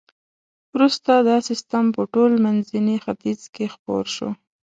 وروسته دا سیستم په ټول منځني ختیځ کې خپور شو.